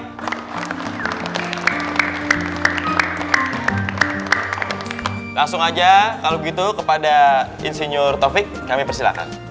baik langsung aja kalau begitu kepada insinyur taufik kami persilakan